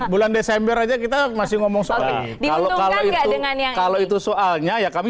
bulan desember saja kita masih ngomong soal ini